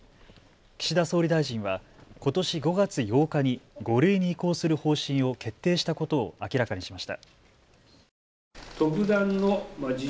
岸田総理大臣はことし５月８日に５類に移行する方針を決定したことを明らかにしました。